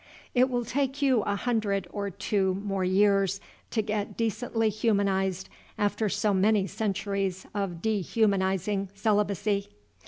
It will take you a hundred or two more years to get decently humanized, after so many centuries of de humanizing celibacy.